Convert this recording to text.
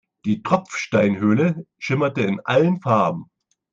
Die Tropfsteinhöhle schimmerte in allen Farben.